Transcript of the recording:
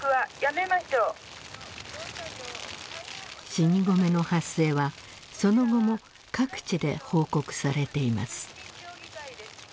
死に米の発生はその後も各地で報告されています。